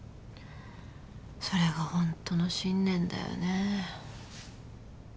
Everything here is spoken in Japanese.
それが本当の信念だよね。